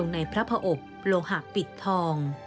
ในพระพระอบโลหะปิดทอง